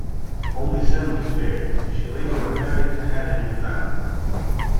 Only Sen was spared; she later remarried and had a new family.